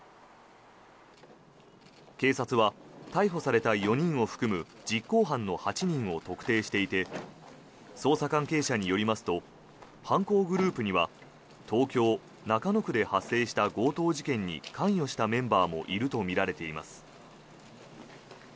警察は逮捕された４人を含む実行犯の８人を特定していて捜査関係者によりますと犯行グループには東京・中野区で発生した強盗事件に関与したメンバーもいるとみられています。